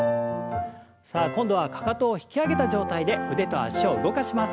さあ今度はかかとを引き上げた状態で腕と脚を動かします。